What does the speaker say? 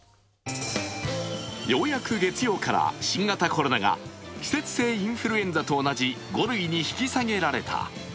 ようやく月曜から新型コロナが季節性インフルエンザと同じ５類に引き下げられた。